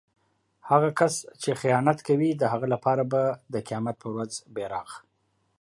هغه کس چې خیانت کوي د هغه لپاره به د قيامت په ورځ بیرغ